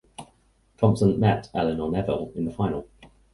Thomson met Elinor Nevile in the final.